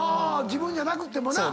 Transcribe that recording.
自分じゃなくってもな。